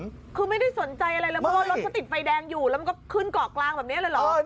คือไม่ได้สนใจอะไรเลยเพราะว่ารถเขาติดไฟแดงอยู่แล้วมันก็ขึ้นเกาะกลางแบบนี้เลยเหรอ